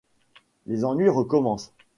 Les ennuis recommencent...